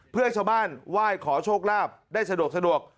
เพื่อให้ชาวบ้านไหว้ขอโชคลาภได้สะดวก